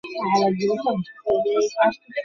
যত বড় নাম ততো বড়ই ছিলো পরিবার।